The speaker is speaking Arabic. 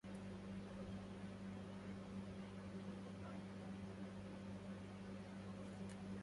ومن يسوءهم بهضم الحق يخالف الأمر لرب الخلق